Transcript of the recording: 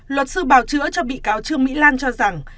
luật sư bào chữa cho bị cáo trương mỹ lan cho rằng